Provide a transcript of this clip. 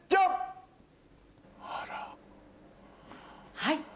はい！